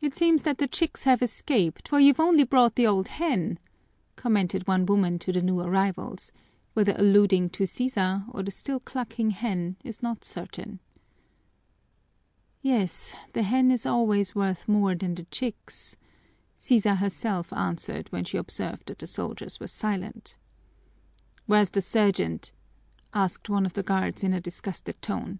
"It seems that the chicks have escaped, for you've brought only the old hen!" commented one woman to the new arrivals, whether alluding to Sisa or the still clucking hen is not certain. "Yes, the hen is always worth more than the chicks," Sisa herself answered when she observed that the soldiers were silent. "Where's the sergeant?" asked one of the guards in a disgusted tone.